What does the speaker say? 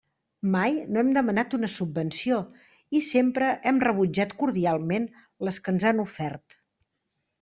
Mai no hem demanat una subvenció i sempre hem rebutjat cordialment les que ens han ofert.